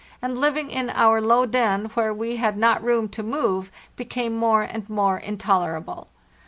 and living in our low den, where we had not room to move, became more and more in tolerable.